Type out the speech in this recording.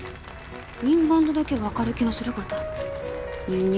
インバウンドだけ分かる気のするごた輸入？